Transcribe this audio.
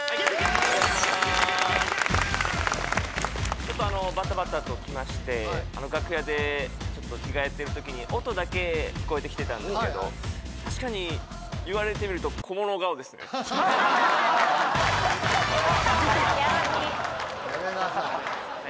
ちょっとバタバタと来まして楽屋でちょっと着替えてるときに音だけ聞こえてきてたんですけど言われてみるとやばすぎ。